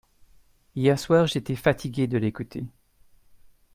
Hier soir j’étais fatigué de l’écouter.